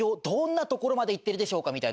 どんなところまでいってるでしょうか？」